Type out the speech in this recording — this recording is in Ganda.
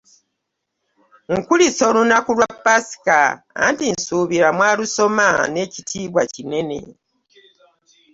Nkukulisa olunaku lwa Paska, anti nsuubira mwalusoma n'ekitiibwa kinene.